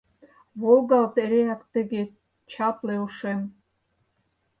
Волгалт эреак тыге, чапле Ушем!